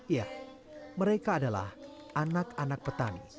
ya mereka adalah anak anak petani